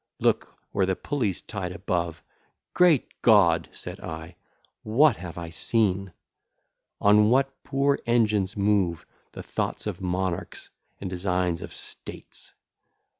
Look where the pulley's tied above! Great God! (said I) what have I seen! On what poor engines move The thoughts of monarchs and designs of states!